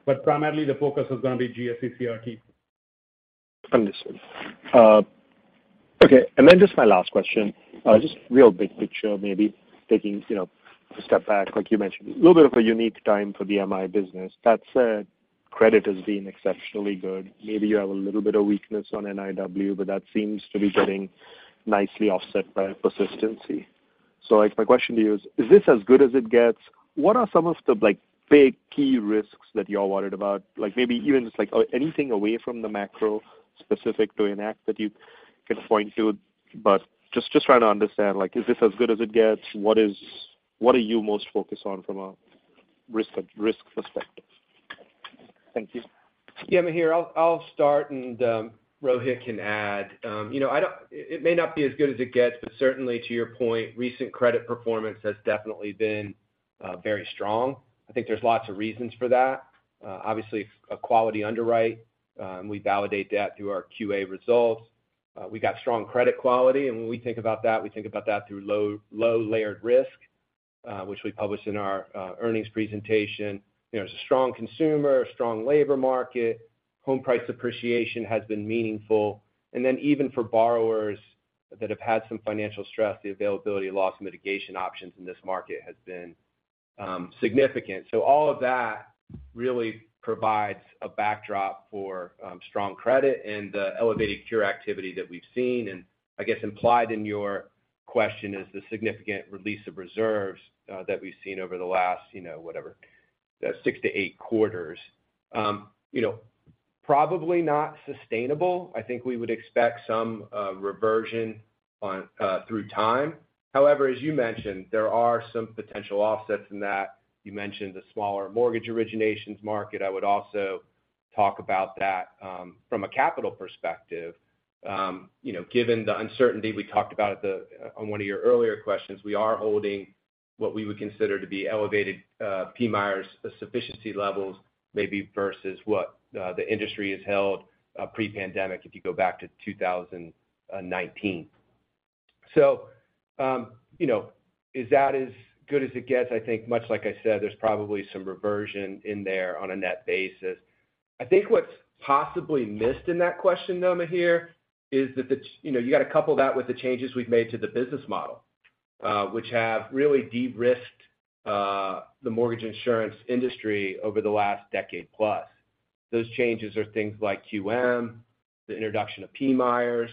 D: But primarily, the focus is gonna be GSE CRT.
G: Understood. Okay, and then just my last question, just real big picture, maybe taking, you know, a step back, like you mentioned, a little bit of a unique time for the MI business. That said, credit has been exceptionally good. Maybe you have a little bit of weakness on NIW, but that seems to be getting nicely offset by persistency. So, my question to you is, is this as good as it gets? What are some of the, like, big key risks that you're worried about? Like, maybe even just, like, anything away from the macro specific to Enact that you can point to. But just trying to understand, like, is this as good as it gets? What are you most focused on from a risk perspective? Thank you.
C: Yeah, Mihir, I'll start, and Rohit can add. You know, it may not be as good as it gets, but certainly, to your point, recent credit performance has definitely been very strong. I think there's lots of reasons for that. Obviously, a quality underwrite, we validate that through our QA results. We've got strong credit quality, and when we think about that, we think about that through low, low layered risk, which we publish in our earnings presentation. You know, there's a strong consumer, a strong labor market, home price appreciation has been meaningful. And then even for borrowers that have had some financial stress, the availability of loss mitigation options in this market has been significant. So all of that really provides a backdrop for strong credit and the elevated cure activity that we've seen. I guess implied in your question is the significant release of reserves that we've seen over the last, you know, whatever, six to eight quarters. You know, probably not sustainable. I think we would expect some reversion on through time. However, as you mentioned, there are some potential offsets in that. You mentioned the smaller mortgage originations market. I would also talk about that from a capital perspective. You know, given the uncertainty we talked about at the on one of your earlier questions, we are holding what we would consider to be elevated PMIERs sufficiency levels, maybe versus what the industry has held pre-pandemic, if you go back to 2019. So, you know, is that as good as it gets? I think much like I said, there's probably some reversion in there on a net basis. I think what's possibly missed in that question, though, Mihir, is that the you know, you got to couple that with the changes we've made to the business model, which have really de-risked the mortgage insurance industry over the last decade plus. Those changes are things like QM, the introduction of PMIERs,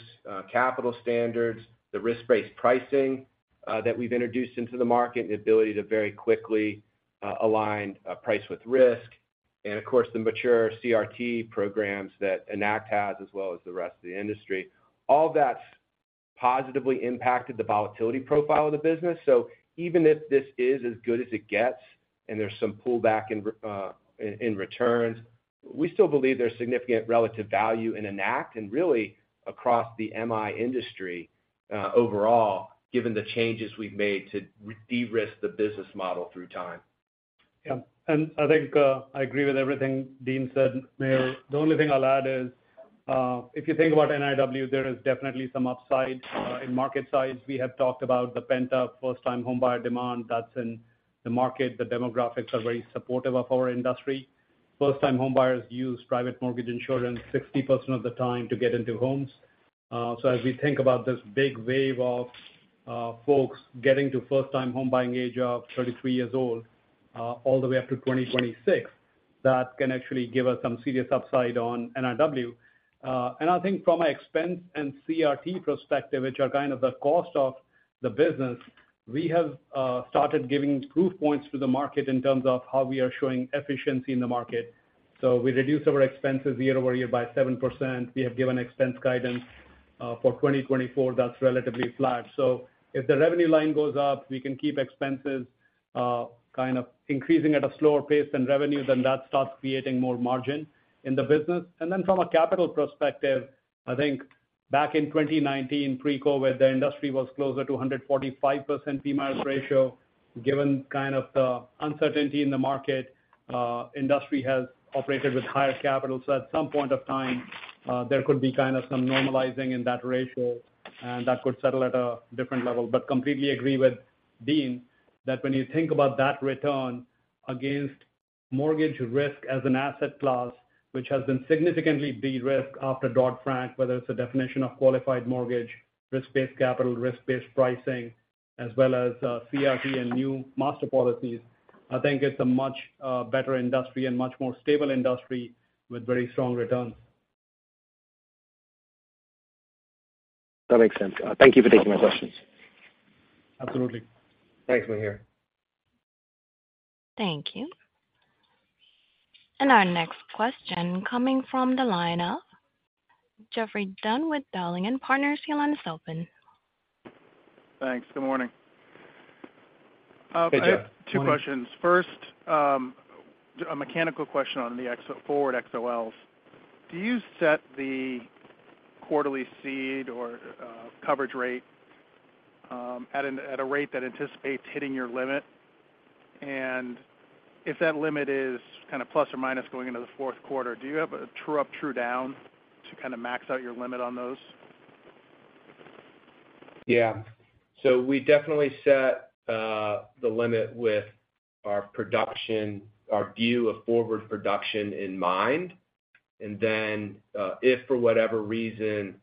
C: capital standards, the risk-based pricing that we've introduced into the market, and the ability to very quickly align price with risk, and of course, the mature CRT programs that Enact has, as well as the rest of the industry. All that's positively impacted the volatility profile of the business. So even if this is as good as it gets and there's some pullback in returns, we still believe there's significant relative value in Enact and really across the MI industry, overall, given the changes we've made to de-risk the business model through time.
D: Yeah. And I think, I agree with everything Dean said. The only thing I'll add is, if you think about NIW, there is definitely some upside. In market size, we have talked about the pent-up first-time homebuyer demand that's in the market. The demographics are very supportive of our industry. First-time homebuyers use private mortgage insurance 60% of the time to get into homes. So as we think about this big wave of, folks getting to first-time homebuying age of 33 years old, all the way up to 2026, that can actually give us some serious upside on NIW. And I think from an expense and CRT perspective, which are kind of the cost of the business, we have started giving proof points to the market in terms of how we are showing efficiency in the market. So we reduced our expenses year-over-year by 7%. We have given expense guidance for 2024, that's relatively flat. So if the revenue line goes up, we can keep expenses kind of increasing at a slower pace than revenue, then that starts creating more margin in the business. And then from a capital perspective, I think back in 2019, pre-COVID, the industry was closer to 145% PMIERs ratio. Given kind of the uncertainty in the market, industry has operated with higher capital. So at some point of time, there could be kind of some normalizing in that ratio, and that could settle at a different level. But completely agree with Dean, that when you think about that return against mortgage risk as an asset class, which has been significantly de-risked after Dodd-Frank, whether it's the definition of Qualified Mortgage, risk-based capital, risk-based pricing, as well as, CRT and new master policies, I think it's a much, better industry and much more stable industry with very strong returns.
G: That makes sense. Thank you for taking my questions.
D: Absolutely.
C: Thanks, Mihir.
A: Thank you. Our next question coming from the line of Geoffrey Dunn with Dowling and Partners. Your line is open.
D: Thanks. Good morning....
H: I have two questions. First, a mechanical question on the excess forward XOLs. Do you set the quarterly cede or coverage rate at a rate that anticipates hitting your limit? And if that limit is plus or minus going into the fourth quarter, do you have a true up, true down to max out your limit on those?
C: Yeah. So we definitely set the limit with our production, our view of forward production in mind. And then, if for whatever reason,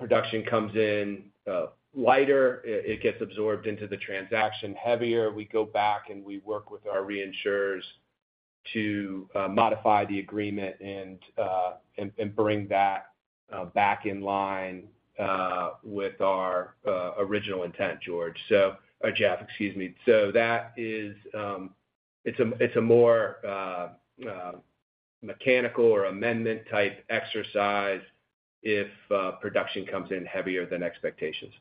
C: production comes in lighter, it gets absorbed into the transaction heavier. We go back and we work with our reinsurers to modify the agreement and bring that back in line with our original intent, George. So, Jeff, excuse me. So that is, it's a more mechanical or amendment type exercise if production comes in heavier than expectations.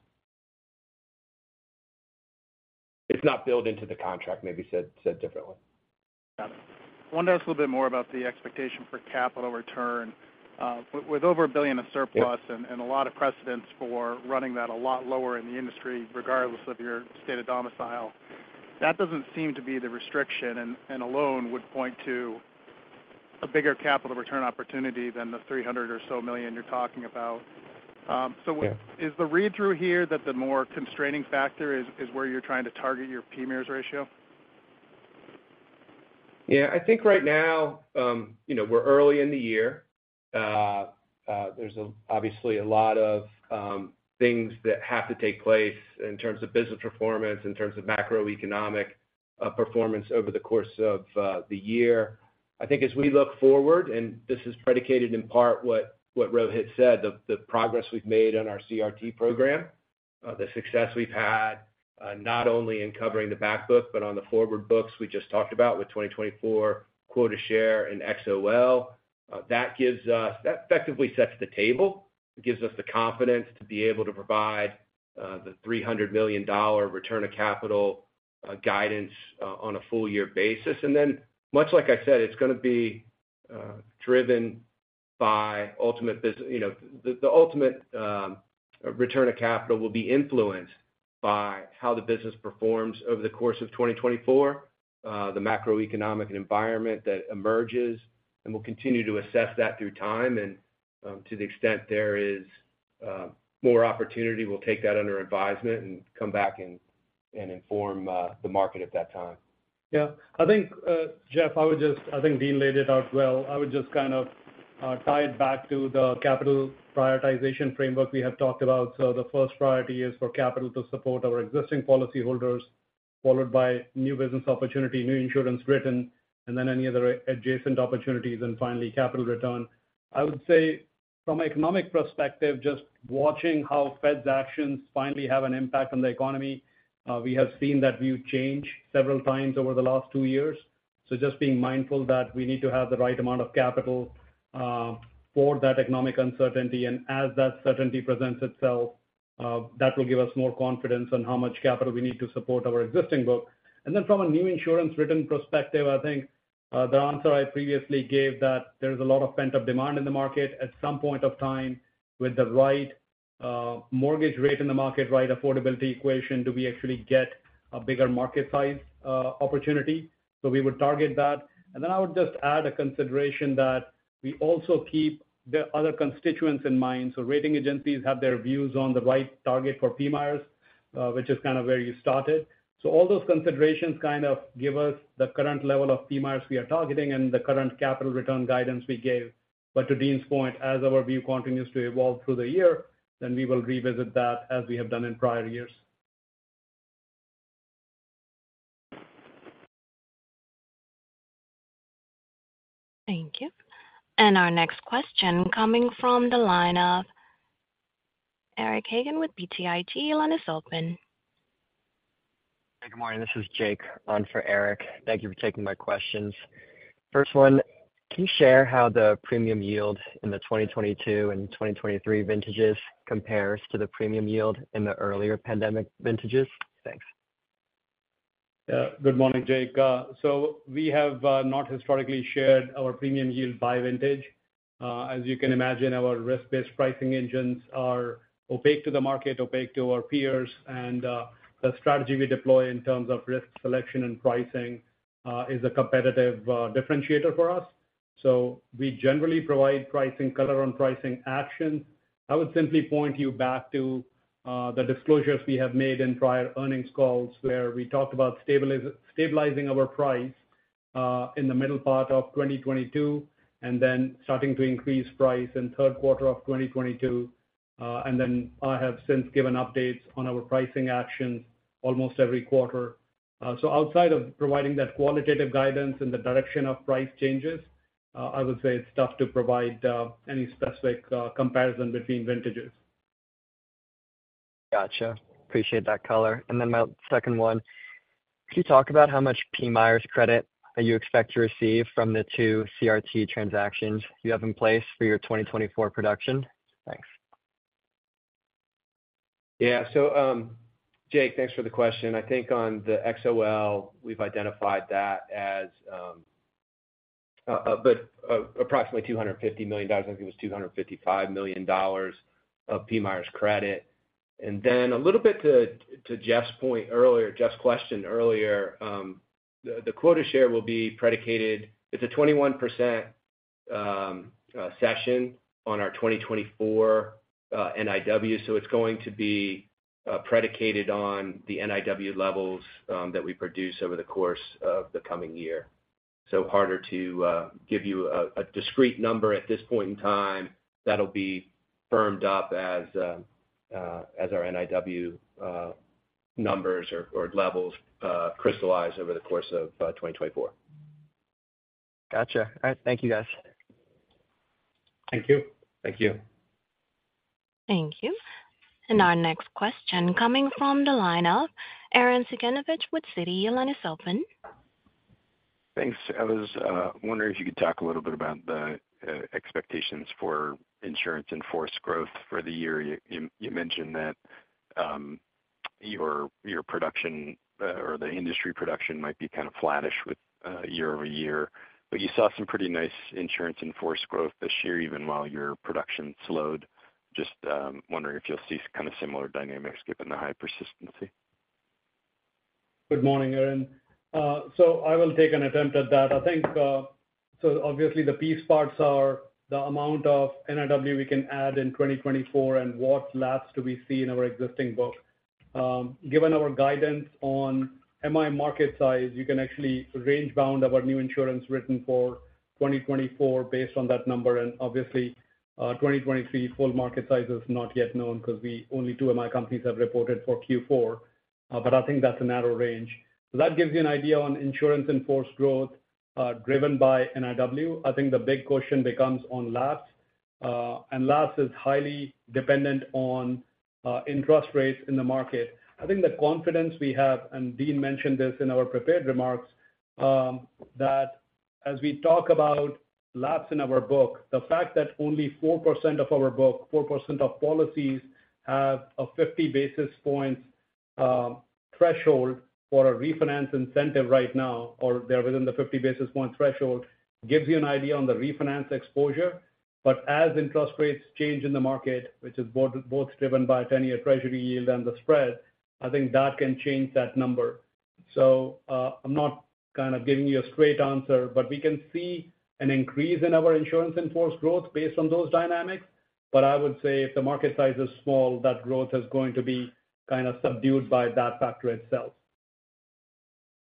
C: It's not built into the contract, maybe said differently.
H: Got it. I want to ask a little bit more about the expectation for capital return. With over $1 billion of surplus-
C: Yep...
H: and a lot of precedents for running that a lot lower in the industry, regardless of your state of domicile, that doesn't seem to be the restriction, and alone would point to a bigger capital return opportunity than the $300 million or so you're talking about. So-
C: Yeah...
H: is the read-through here that the more constraining factor is, is where you're trying to target your PMIERs ratio?
C: Yeah. I think right now, you know, we're early in the year. There's, obviously, a lot of things that have to take place in terms of business performance, in terms of macroeconomic performance over the course of the year. I think as we look forward, and this is predicated in part what Rohit said, the progress we've made on our CRT program, the success we've had not only in covering the back book, but on the forward books we just talked about with 2024 quota share and XOL. That gives us... That effectively sets the table. It gives us the confidence to be able to provide the $300 million return of capital guidance on a full year basis. And then much like I said, it's going to be driven by ultimate business. You know, the ultimate return of capital will be influenced by how the business performs over the course of 2024, the macroeconomic environment that emerges, and we'll continue to assess that through time. And, to the extent there is more opportunity, we'll take that under advisement and come back and inform the market at that time.
D: Yeah. I think, Jeff, I would just... I think Dean laid it out well. I would just kind of tie it back to the capital prioritization framework we have talked about. So the first priority is for capital to support our existing policyholders, followed by new business opportunity, New Insurance Written, and then any other adjacent opportunities, and finally, capital return. I would say from an economic perspective, just watching how Fed's actions finally have an impact on the economy, we have seen that view change several times over the last two years. So just being mindful that we need to have the right amount of capital for that economic uncertainty. And as that certainty presents itself, that will give us more confidence on how much capital we need to support our existing book. And then from a New Insurance Written perspective, I think, the answer I previously gave, that there is a lot of pent-up demand in the market at some point of time, with the right, mortgage rate in the market, right affordability equation, do we actually get a bigger market size, opportunity? So we would target that. And then I would just add a consideration that we also keep the other constituents in mind. So rating agencies have their views on the right target for PMIERs, which is kind of where you started. So all those considerations kind of give us the current level of PMIERs we are targeting and the current capital return guidance we gave. But to Dean's point, as our view continues to evolve through the year, then we will revisit that as we have done in prior years.
A: Thank you. Our next question coming from the line of Eric Hagen with BTIG. Your line is open.
I: Hey, good morning. This is Jake, on for Eric. Thank you for taking my questions. First one, can you share how the premium yield in the 2022 and 2023 vintages compares to the premium yield in the earlier pandemic vintages? Thanks.
D: Yeah. Good morning, Jake. So we have not historically shared our premium yield by vintage. As you can imagine, our risk-based pricing engines are opaque to the market, opaque to our peers, and the strategy we deploy in terms of risk selection and pricing is a competitive differentiator for us. So we generally provide pricing color on pricing action. I would simply point you back to the disclosures we have made in prior earnings calls, where we talked about stabilizing our price in the middle part of 2022, and then starting to increase price in third quarter of 2022. And then I have since given updates on our pricing actions almost every quarter. So outside of providing that qualitative guidance and the direction of price changes, I would say it's tough to provide any specific comparison between vintages.
I: Gotcha. Appreciate that color. And then my second one: Could you talk about how much PMIERs credit that you expect to receive from the two CRT transactions you have in place for your 2024 production? Thanks.
C: Yeah. So, Jake, thanks for the question. I think on the XOL, we've identified that as approximately $250 million. I think it was $255 million of PMIERs credit. And then a little bit to Jeff's point earlier, Jeff's question earlier, the quota share will be predicated. It's a 21% cession on our 2024 NIW. So it's going to be predicated on the NIW levels that we produce over the course of the coming year. So harder to give you a discrete number at this point in time. That'll be firmed up as our NIW numbers or levels crystallize over the course of 2024.
I: Gotcha. All right. Thank you, guys.
D: Thank you. Thank you.
A: Thank you. Our next question coming from the line of Arren Cyganovich with Citi. Your line is open.
J: Thanks. I was wondering if you could talk a little bit about the expectations for Insurance In Force growth for the year. You mentioned that your production or the industry production might be kind of flattish year-over-year, but you saw some pretty nice Insurance In Force growth this year, even while your production slowed. Just wondering if you'll see kind of similar dynamics given the high persistency.
D: Good morning, Arren. So I will take an attempt at that. I think, so obviously the piece parts are the amount of NIW we can add in 2024 and what lapses do we see in our existing book. Given our guidance on MI market size, you can actually range bound our New Insurance Written for 2024 based on that number. And obviously, 2023 full market size is not yet known because only two of our companies have reported for Q4, but I think that's a narrow range. So that gives you an idea on Insurance In Force growth, driven by NIW. I think the big question becomes on lapse, and lapse is highly dependent on interest rates in the market. I think the confidence we have, and Dean mentioned this in our prepared remarks, that as we talk about lapse in our book, the fact that only 4% of our book, 4% of policies, have a 50 basis points threshold for a refinance incentive right now, or they're within the 50 basis point threshold, gives you an idea on the refinance exposure. But as interest rates change in the market, which is both driven by 10-year Treasury yield and the spread, I think that can change that number. So, I'm not kind of giving you a straight answer, but we can see an increase in our Insurance In Force growth based on those dynamics. But I would say if the market size is small, that growth is going to be kind of subdued by that factor itself.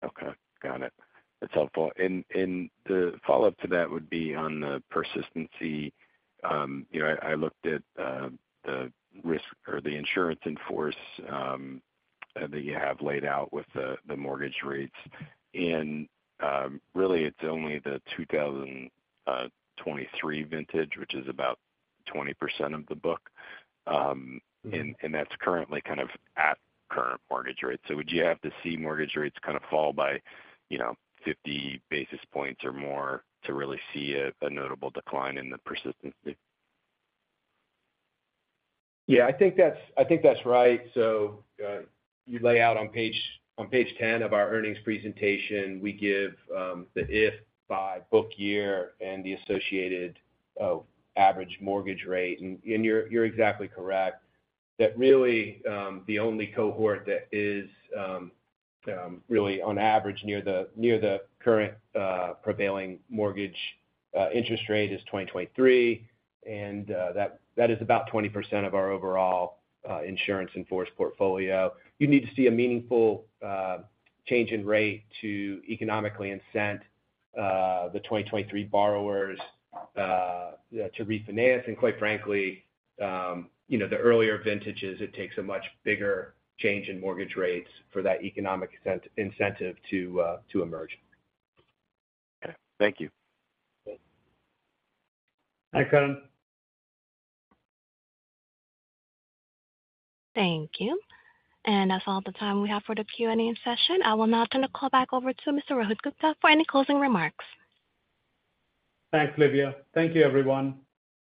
J: Okay, got it. That's helpful. And, and the follow-up to that would be on the persistency. You know, I, I looked at, the risk or the Insurance In Force, that you have laid out with the, the mortgage rates. And, really it's only the 2023 vintage, which is about 20% of the book. And, and that's currently kind of at current mortgage rates. So would you have to see mortgage rates kind of fall by, you know, 50 basis points or more to really see a, a notable decline in the persistency?
C: Yeah, I think that's, I think that's right. So, you lay out on page, on page 10 of our earnings presentation, we give the IIF by book year and the associated average mortgage rate. And you're exactly correct, that really the only cohort that is really on average near the, near the current prevailing mortgage interest rate is 2023. And that, that is about 20% of our overall Insurance In Force portfolio. You need to see a meaningful change in rate to economically incent the 2023 borrowers to refinance. And quite frankly, you know, the earlier vintages, it takes a much bigger change in mortgage rates for that economic incentive to emerge.
J: Okay. Thank you.
D: Thanks, Arren.
A: Thank you. That's all the time we have for the Q&A session. I will now turn the call back over to Mr. Rohit Gupta for any closing remarks.
D: Thanks, Livia. Thank you, everyone.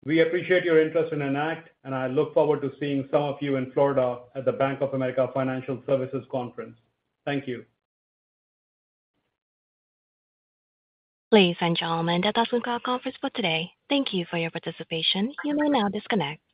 D: We appreciate your interest in Enact, and I look forward to seeing some of you in Florida at the Bank of America Financial Services Conference. Thank you.
A: Ladies and gentlemen, that does conclude our conference for today. Thank you for your participation. You may now disconnect.